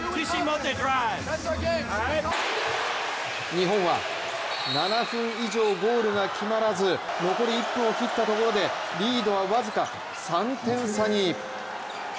日本は７分以上ゴールが決まらず残り１分を切ったところでリードは僅か３点差に。